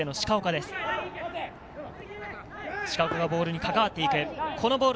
鹿岡がボールにかかわっていく。